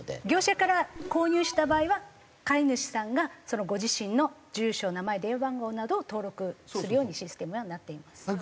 業者から購入した場合は飼い主さんがご自身の住所名前電話番号などを登録するようにシステムはなっています。